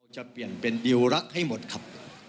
จะเปลี่ยนเป็นดิวรักให้หมดครับ